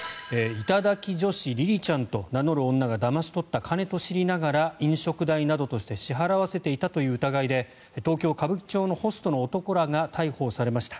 頂き女子りりちゃんと名乗る女がだまし取った金と知りながら飲食代として支払わせていたという疑いで東京・歌舞伎町のホストの男らが逮捕されました。